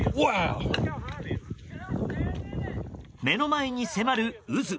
目の前に迫る渦。